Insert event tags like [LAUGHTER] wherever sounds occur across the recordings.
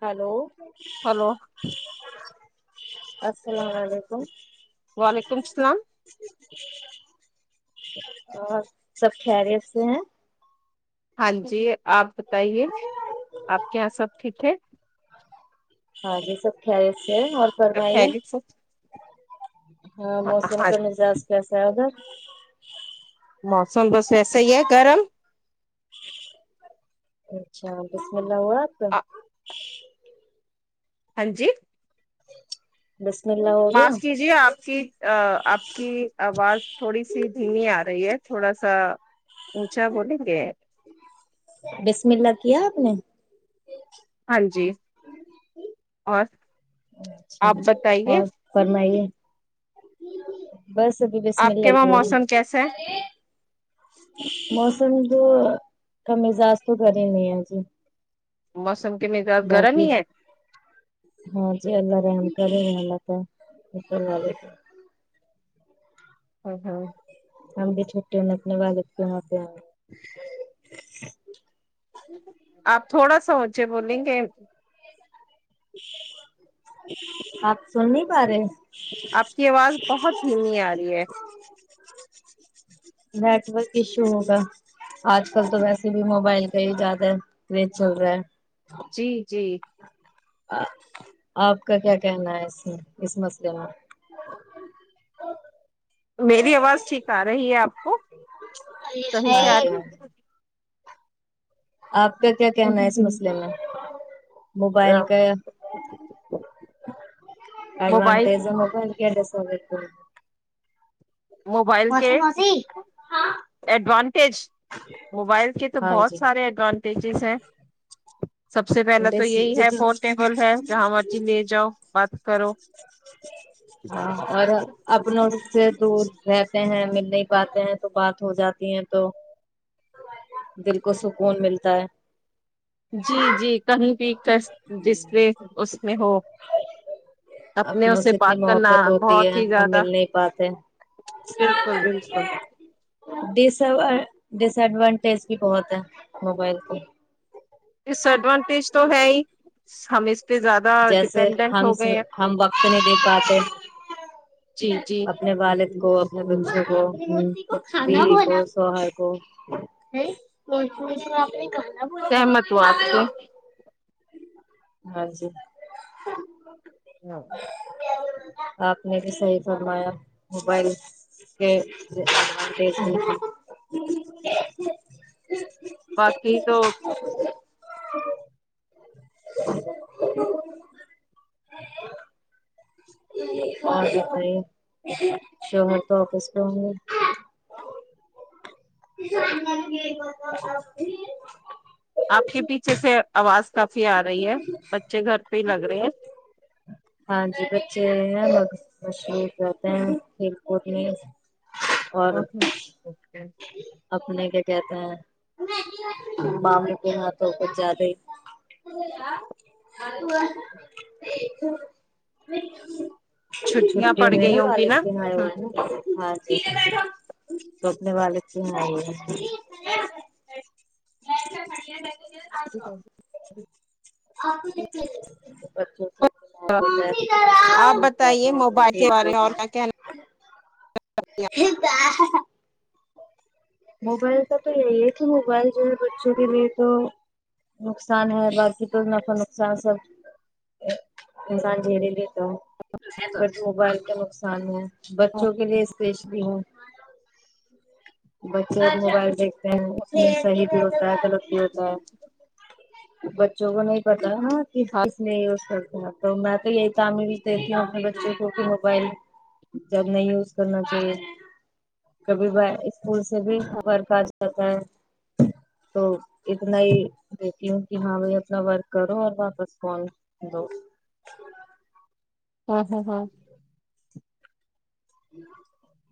hello hello السلام علیکم ج وعلیکم السلام اور سب خریت سے ہیں ہاں جی آپ بتائیے آپ کے یہاں سب ٹھیک ہے ہاں جی سب خل سے اور سب فرمائی خیریت سے ہاں موسم کا مزاج کیسا ہے اگا موسم بس ویسا ہی ہے گرم اچھا تو ل وہ آ تو ہاں جی بسم اللہ ہو گیا معاف کیجیے آپ کی آپ کی آواز تھوڑی سی دھیمی آ رہی ہے تھوڑا سا اونچا بولیں گے نہیں ہاں جی اور اچھا آپ بتائیے اور فرمائیے ج بس ابھی بس م آپ کے وہاں لگے موسم کیسا ہے موسم تو کم مزاج تو گھر ہی نہیں ہے جی موسم کے مزاج گرم باقی ہی ہے ہاں جی اللہ رحم کرے شکور اوپر والے کا [UNINTELLIGIBLE] [UNINTELLIGIBLE] [UNINTELLIGIBLE] [UNINTELLIGIBLE] آپ تھوڑا سا اونچا بولے گے آپ سن نہیں پا رہے آپ کی آواز بہت دھیمی آ رہی ہے [INAUDIBLE] نیٹورک ایشو ہوگا آج کل تو ویسے بھی موبائل کا ہی زیادہ کریز چل رہا ہے جی جی آپ کا کیا کہنا ہے اس اس مسئلے میں میری آواز ٹھیک آ رہی ہے اب [INAUDIBLE] آپ کا کیا کہنا ہے اس مسئلے میں موبائل کا موبائل ایڈوانٹیج موبائل کیا [UNINTELLIGIBLE] موبائل کے موسی موسی ایڈوانٹیج موبائل کے تو ہاں بہت جی سارے ایڈوان [UNINTELLIGIBLE] سب سے پہلا تو یہی ہے فون ٹیبل ہے جہاں مرضی لے جاؤ بات کرو ہاں اور اپنوں سے دور رہتے ہیں مل نہیں پاتے ہیں تو بات ہو جاتی ہیں تو دل کو سکون ملتا ہے جی جی کہیں بھی جس میں اس میں ہو اپنے اپنوں اس سے اتنی بات کرنا محبت ہوتی ہے بہت ہی ہم زیادہ مل نہیں پاتے بالکل بلکل ڈس ڈس ایڈوانٹیج بھی بہت ہے موبائل کی ڈس ایڈوانٹیج تو ہے ہی ہمیں جیسے ہم ہم وقت نہیں دے پاتے جی جی اپنے والد کو اپنے بچوں کو اپنی جی بیوی کو شوہر کو [UNINTELLIGIBLE] سہمت ہو آپ سے ہاں جی [INAUDIBLE] ہاں آپ نے بھی صحیح فرمایا موبائل کے دیکھنے باقی تو [INAUDIBLE] [INAUDIBLE] اور بتے شوہر تو آپس پہ ہوں گے [UNINTELLIGIBLE] آپ کے پیچھے سے آواز کافی آ رہی ہے بچے گھر پہ ہی لگ رہے ہیں ہاں جی بچے مشرو ہو جاتتے ہیں کھیل کود میں [UNINTELLIGIBLE] اور ہیں اپنے کیا کہتے ہیں ماموں کے یہاںھ تو کچھ زیادہ ہی [INAUDIBLE] چھٹیاں چھٹیوں پڑ میں نا گئی ہوں گی والالج سے آ ہ ہے نا ہ [UNINTELLIGIBLE] سپنے والک کیوں نہیں ہے [INAUDIBLE] آپ [UNINTELLIGIBLE] آپ بتائیے موبائل کے بارے میں اور کیا کہنا [INAUDIBLE] [INAUDIBLE] موبائل کا تو یہی ہے کہ موبائل جو ہے بچوں کے لیے تو نقصان ہے باقی تو نفع نقصان سب مزان جیلی لیے بٹ موبائل کا نقصان ہے بچوں کے لیے اسپیشلی ہے بچوں موبائل دیکھتے ہیں صحیح بھی ہوتا ہے غلط بھی ہوتا ہے بچوں کو نہیں پتا [UNINTELLIGIBLE] ہاں کس کس نے اور سب [UNINTELLIGIBLE] تو میں تو یہی تعمیر دیتی ہوں اپنے بچوں کو کہ موبائل ج نہیں یوز کرنا چاہیے کبھی ب اسکول سے بھی ورک آ جاتا ہے تو اتنا ہی دیکتی ہوں کہ ہاں بی اپنا ورک کرو اور واپس فون دو [INAUDIBLE] [INAUDIBLE]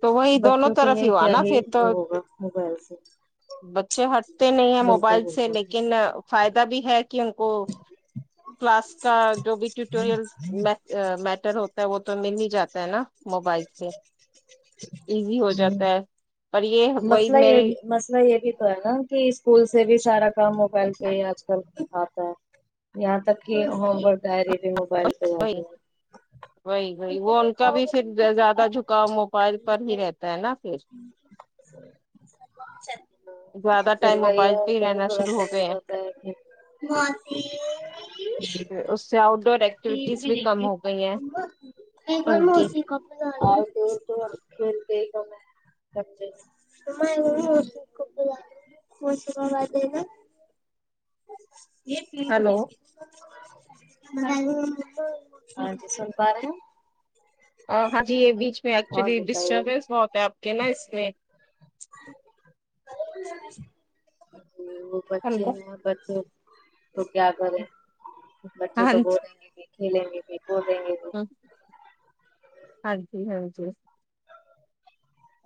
تو وہی دونوں بچوں کے طرف ہی لیے ہوا کیا نا پھر تو وہ ہوگا موبائل سے بچے ہٹتے نہیں ہیں بالکل موبائل سے بالکل لیکن فائدہ بھی ہے کہ ان کو کلاس کا جو بھی ٹیوٹورل میٹر ہوتا ہے وہ تو مل ہی جاتا ہے نا موبائل سے ایزی ہو ہ جاتا ہے پر یہ وہی مسئلہ یہ میرے بھی مسئلہ یہ بھی تو ہے نا کہ اسکول سے بھی سارا کام موبائل پہ ہی آج کل آتا ہے یہاں تک کہ وہ گری بھی موبائل پہ وہی آتی ہے وہی وہی وہ اتنے ان کا کھاؤ بھی گے تم پھر کافی زیادہ جھکاؤ موبائل پر ہی رہتا ہے نا پھر زیادہ ٹائم سلویا موبائل اور پہ ہی کو بھی رہنا تھوڑا شروع صی ہو گئے جاتا ہے ہیں اس سے آؤٹ ڈور ایکٹیویٹیز بھی کم نہیں ہو گئی ہیں ان گھرم کی ہوسی کپ ج تو کھیل کے ہی تو میں س م کب موسم ب دے گا ہلو ہ جی سل پاار ہاں جی یہ بیچ میں ایکچولی بتائیے ڈسٹربینس بہت ہے آپ کے نا اس میں [INAUDIBLE] ا بچے ہلو میں بچے تو کیا کرے بچے ہاں تو جی بولیں گے بھی ک ل گے بولیں گے بھی ہاں جی ہاں جی ج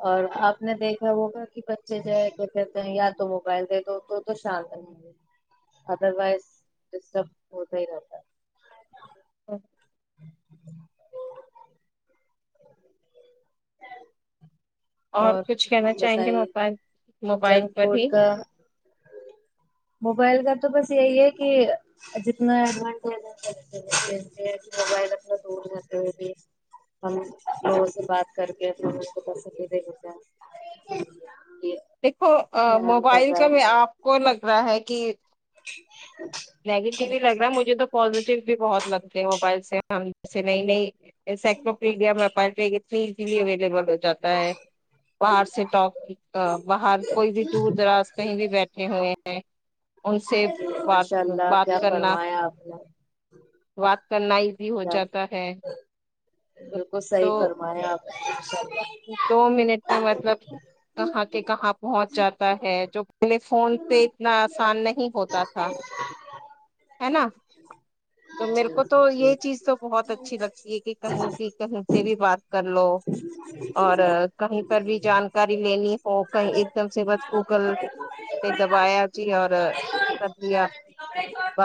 اور آپ نے دیکھا ہوگا کہ بچے جو ہے کہ کہتے ہیں یا تو موبائل دے دو تو تو شانت رہیں گے ادر وائز ڈسٹرب ہوتا ہی رہتا ہے ا [INAUDIBLE] اور کچھ کہنا چاہیں گے م بتائیے موبائل جنک پر فوڈ ہی کا موبائل کا تو بس یہی ہے کہ جتنا ایڈانٹی کہ موبائل اپنا دور کرتے ہوئے بھی ہم لوگوں سے بات کر کے اپنے لوگ کوس دےتے ہیں کہ دیکھو حیران کر موبائل رہا کا بھی آپ ہے کو لگ رہا ہے کہ نگیٹیٹی لگ رہا مجھے تو پزیٹیو بھی بہت لگتے ہیں موبائل سے ہم جیسے نئی نئی یہ سکلو پیڈیام مپائ پ فزیلی اویلیبل ہو جاتا ہے باہر سے ٹک ا باہر کوئی بھی دور دراز کہیں بھی بیٹھے ہوئے ہیں ان سے بات ماشاء اللہ بات کیا کرنا فرمایا آپ نے بات کرنا ہی بھی ہو کیا جاتا ہے بالکل صحی تو فرمانے آپ چا دو منٹ میں مطلب کہاں کے کہاں پہنچ جاتا ہے جو پہلے فون پہ اتنا آسان نہیں ہوتا تھا ہے نا تو میرے جی کو تو یہ جی جی چیز تو بہت اچھی لگتی ہے کہ کہیں بھی کہیں سے بھی بات کر لو اور کہیں پر بھی جانکاری لینی ہو کہیں ایک دم سے بس گوگل پہ دبایا جی اور کر لیا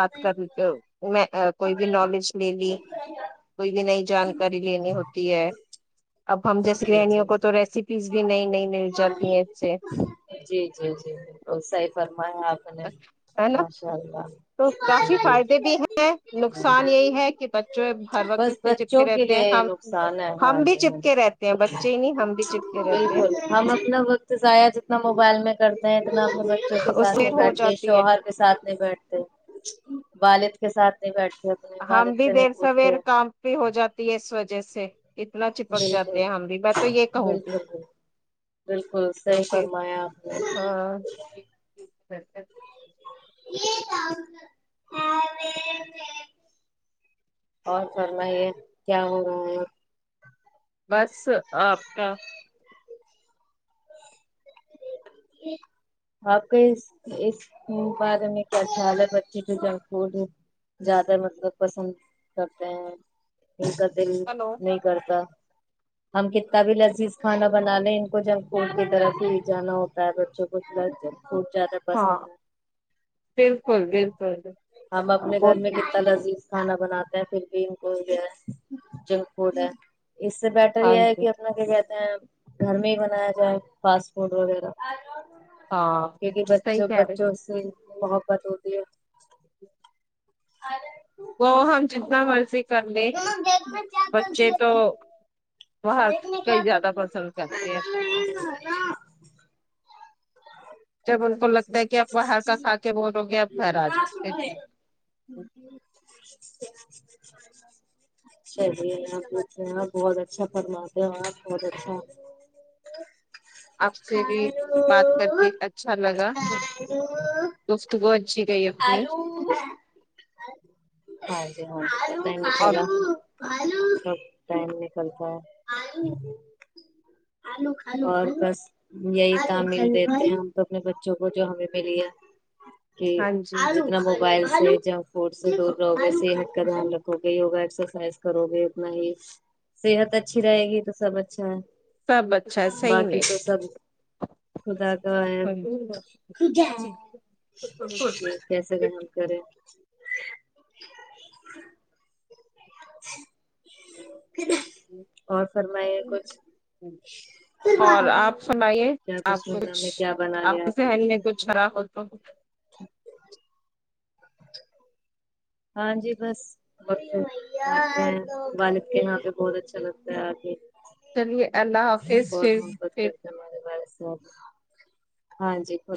میں کوئی بھی نالج لے لی کوئی بھی نئی جانکاری لینی ہوتی ہے اب ہم جیسے گانیوں کو تو ریسیپیز بھی نئی نئی مل جاتی ہیں اس سے جی جی جی بالکل صحی فر ہے نا تو کافی فائدے بھی ہیں نقصان یہی ہے کہ بچے ہر وقت بس اس سے چپکے بچوں کے رہتے لیے ہیں نقصان ہے ہم ہاں بھی جی ہاں جی چپکے رہتے ہیں بچے ہی نہیں ہم بھی چپکے رہتے ہیں بالکل ہم اپنا وقت ائ جتنا موبائل میں کرتے ہیں اتنا اپنے بچوں کے اس ساتھ دیر نہیں ہو بیٹھتے جاتی ہے شوہر کے ساتھ نہیں بیٹھتے والد کے ساتھ بیٹھ ہم بھی دیر سویر کام پ ہو جاتی ہے وجہ جیسے اتنا چپک بالکل جاتے ہیں ہم بھی میں تو یہ کہوں گی بالکل بالکل بالکل تو صحیح پھر فرمایا آپ نے ہاں ب [INAUDIBLE] اور فرنا یہ کیا ہو رہا ہے بس آپ کا آپ کے اس اس بارے میں کیا خیاال ہے بچے کے جنک فوڈ زیادہ مطلب پسند کرتے ہیں یہ کر ت ہلو نہیں کرتا ہم کتنا بھی لذیذ کھانا بنانے ان کو جنک فوڈ کی طرف ہی جانا ہوتا ت پر چ کس ل خوب زیادہ ہاں پسند ہے بالکل بالکل ہم اپنے گھر بہت میں کتنا لذیذ کھانا بناتے پھر بھی ان کو جنک فوڈ ہے اس سے بیٹر ہاں یہ ہے جی کہ اپنا کیا کہتے ہیں گھر میں ہی بنایا جائے فاسٹ فوڈ وغیرہ آ جو ہاں پ صحیح بچوں کہہ رہے بچوں سے محبت ہوتی ہے وہ ہم جتنا مرضی کر لیں بچے تو وہت دیکھنے کیا کئی کر زیادہ پسند کرتے ہیں جب ان کو لگتا ہے کہ آپ باہر کا کھا کے بولو گے آپ گھر آ جاؤ چلیے آ پوچھ بہت اچھا فرماتے ہو آپ بہت اچھا [INAUDIBLE] آب سے بھی آلو بات کر کے اچھا لگا آلو گفت وہو اچھی گئی اپنی آلو ہ [INAUDIBLE] اور سب ٹائم نکلتا ہے اور بس یہی [INAUDIBLE] مل دیتے ہیں ہم تو اپنے بچوں کو جو ہمیں ملی ہے ہاں جی آگ نا موبائل ج فوڈ سے دور رہو گے صحت کا دھیان رکھو گے وگا ایکسرسائز کرو گے اتنا ہی صحت اچھی رہے گی تو سب اچھا ہے سب اچھا ہے صحی باقی میں تو سب خدا کا ہے کیسے کا ہم کرے [INAUDIBLE] اور فرمائ کچھ اور آپ سنائیے کیا آپ بسم اللہ میں کچھ کیا بنا آپ لیا کے نے ذہن میں کچھ خرا ہوتا ا ہاں جی بس اور آ ہیں بک کے یہاں پہ بہت اچھا لگتا ہے آگے چلیے اللہ حافظ پھر محبت کرتے ہمارے والد ہاں جی خ